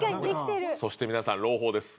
そして皆さん朗報です。